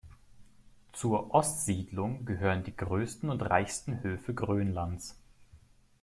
Zur Ostsiedlung gehören die größten und reichsten Höfe Grönlands.